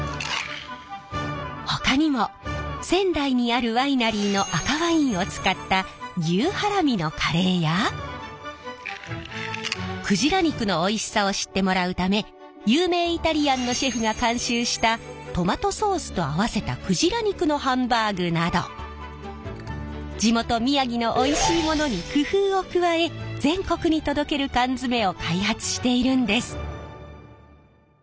ほかにも仙台にあるワイナリーの赤ワインを使った牛ハラミのカレーや鯨肉のおいしさを知ってもらうため有名イタリアンのシェフが監修したトマトソースと合わせた鯨肉のハンバーグなど地元宮城のおいしいものに工夫を加え全国に届ける缶詰を開発しているんです。